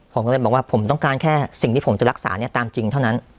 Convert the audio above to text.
ผมก็เลยบอกว่าผมต้องการแค่สิ่งที่ผมจะรักษาเนี่ยตามจริงเท่านั้น